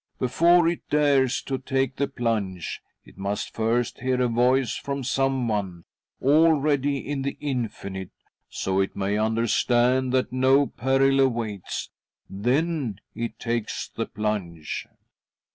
Before it dares to take the plunge, it must first hear a voice from someone, already in the Infinite, so it may understand that no peril aWaits — then it takes the plunge.